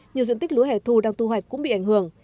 nhiều diện tích lúa hẻ thu đang tu hoạch cũng bị ảnh hưởng